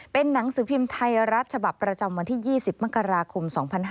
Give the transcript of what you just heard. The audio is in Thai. เป็นหนังสือพิมพ์ไทยรัฐฉบับประจำวันที่๒๐มกราคม๒๕๕๙